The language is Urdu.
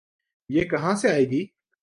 یہ کہاں سے آئے گی؟